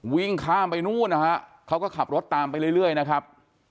วิ่งข้ามไปนู่นนะฮะเขาก็ขับรถตามไปเรื่อยนะครับ